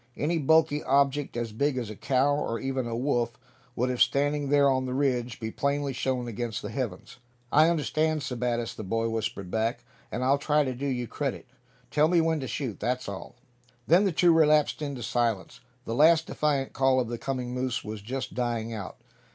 Any bulky object as big as a cow, or even a wolf, would, if standing there on the ridge, be plainly shown against the heavens. "I understand, Sebattis," the boy whispered back; "and I'll try to do you credit. Tell me when to shoot, that's all." Then the two relapsed into silence. The last defiant call of the coming moose was just dying out.